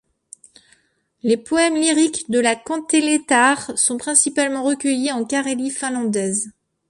Les poèmes lyriques de la Kantélétar sont principalement recueillis en Carélie finlandaise.